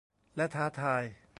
และท้าทาย